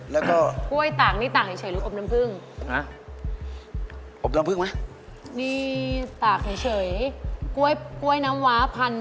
แล้วก็กล้วยตากนี่ตากเฉยหรืออบน้ำผึ้ง